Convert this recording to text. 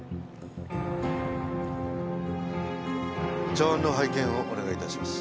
茶碗の拝見をお願い致します。